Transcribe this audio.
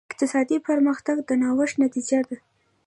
اقتصادي پرمختګ د نوښت نتیجه ده.